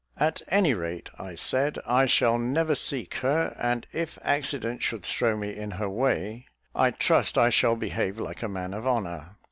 "At any rate," I said, "I shall never seek her; and if accident should throw me in her way, I trust I shall behave like a man of honour."